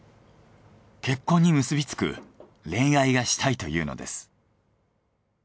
結婚に結びつく恋愛がしたいというのです。